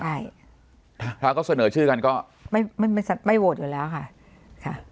ใช่ถ้าเขาเสนอชื่อกันก็ไม่ไม่โหวตอยู่แล้วค่ะค่ะ